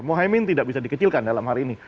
mohaimin tidak bisa dikecilkan dalam hari ini